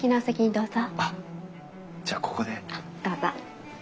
どうぞ。